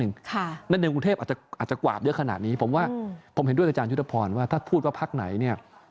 ในกรุงเทพอาจจะกวาดเยอะขนาดนี้ผมว่าผมเห็นด้วยอาจารยุทธพรว่าถ้าพูดว่าพักไหนเนี่ย